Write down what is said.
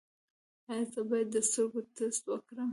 ایا زه باید د سترګو ټسټ وکړم؟